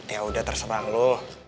yaudah tersebang lo